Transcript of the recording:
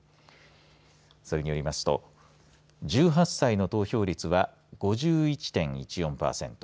それによりますと１８歳の投票率は５１．１４パーセント。